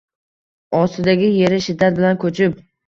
Ostidagi yeri shiddat bilan ko‘chib